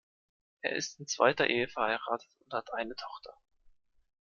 Er ist in zweiter Ehe verheiratet und hat eine Tochter.